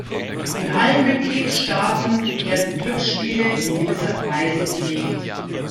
In allen Mitgliedstaaten werden Glücksspiele in gewisser Weise geregelt.